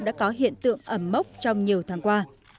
đã có hiện tượng ẩm mốc trong nhiều tháng qua